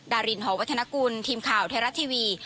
ดารินหอวัฒนกุลทีมข่าวไทยรัฐทีวี